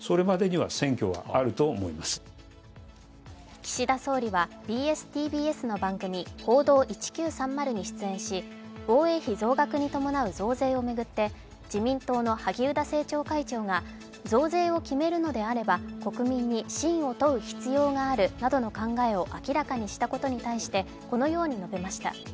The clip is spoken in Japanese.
岸田総理はＢＳ−ＴＢＳの番組「報道１９３０」に出演し防衛費増税に伴う増税を巡って、増税を決めるのであれば、国民に信を問う必要があるなどの考えを明らかにしたことに対して、このように述べました。